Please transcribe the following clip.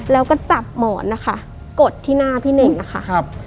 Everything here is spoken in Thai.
แล้วก็จับหมอนกดที่หน้าพี่เน่งค่ะ